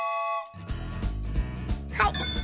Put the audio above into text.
はい。